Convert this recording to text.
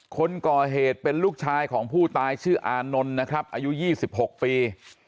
คนก่อเหตุเป็นลูกชายของผู้ตายชื่ออานนท์นะครับอายุ๒๖ปี